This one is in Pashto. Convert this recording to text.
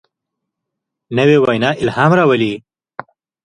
نوې وینا الهام راولي